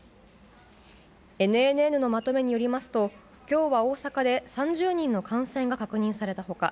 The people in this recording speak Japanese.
ＮＮＮのまとめによりますと今日は大阪で３０人の感染が確認された他